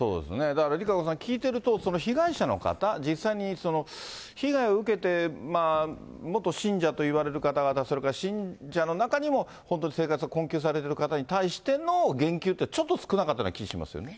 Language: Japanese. だからＲＩＫＡＣＯさん、聞いてると、被害者の方、実際に被害を受けて、元信者といわれる方々、それから信者の中にも本当に生活が困窮されてる方に対しての言及っていうのは、ちょっと少なかった気がしますよね。